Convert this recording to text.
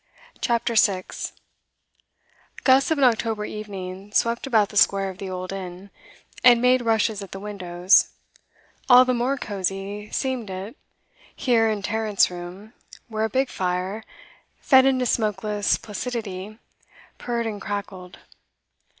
CHAPTER 6 Gusts of an October evening swept about the square of the old Inn, and made rushes at the windows; all the more cosy seemed it here in Tarrant's room, where a big fire, fed into smokeless placidity, purred and crackled.